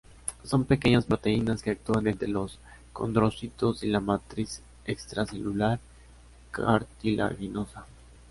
Son pequeñas proteínas que actúan entre los condrocitos y la matriz extracelular cartilaginosa.